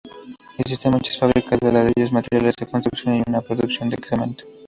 Existen muchas fábricas de ladrillos, materiales de construcción y una de producción de cemento.